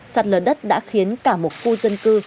sạt lở đất đã khiến cả một khu dân cư